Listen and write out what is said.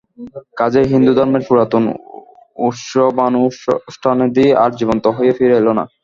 কাজেই হিন্দুধর্মের পুরাতন উৎসবানুষ্ঠানাদি আর জীবন্ত হয়ে ফিরে এল না।